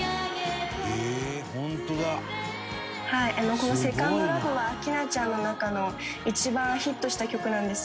「この『セカンド・ラブ』は明菜ちゃんの中の一番ヒットした曲なんです」